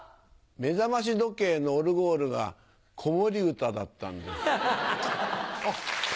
目覚まし時計のオルゴールが子守歌だったんです。